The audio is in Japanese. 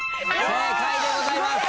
正解でございます。